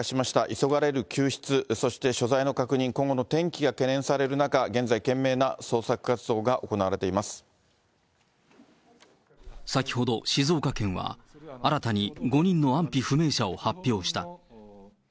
急がれる救出、そして、所在の確認、今後の天気が懸念される中、現在、先ほど静岡県は、新たに５人の安否不明者を発表した。